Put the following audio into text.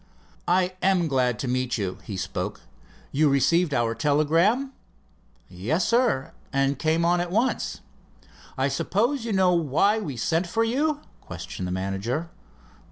"I am glad to meet you," he spoke. "You received our telegram?" "Yes, sir, and came on at once." "I suppose you know why we sent for you?" questioned the manager.